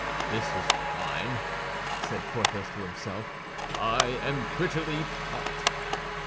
"This is fine!" said Porthos to himself; "I am prettily caught!"